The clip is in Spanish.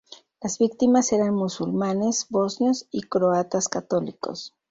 Las víctimas eran musulmanes bosnios y croatas católicos.